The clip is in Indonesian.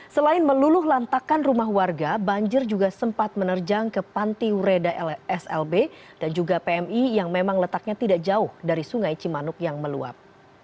selain meluluh lantakan rumah warga banjir juga sempat menerjang ke panti ureda slb dan juga pmi yang memang letaknya tidak jauh dari sungai cimanuk yang meluap